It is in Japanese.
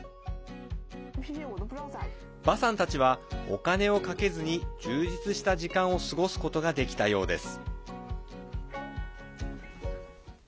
馬さんたちは、お金をかけずに充実した時間を過ごすことができたようです。